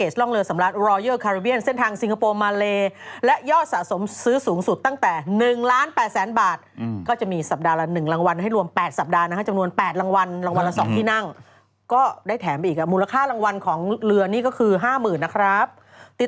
เจ้าของบ้านอายุสี่สิบสี่อืมเจ้าของบ้านอายุสี่สิบสี่